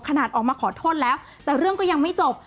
ออกมาขอโทษแล้วแต่เรื่องก็ยังไม่จบ